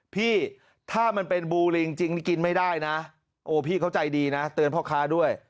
พี่ถ้ามันเป็นบูลิงจริงกินไม่ได้นะโอ้พี่เขาใจดีนะเตือนพ่อค้าด้วย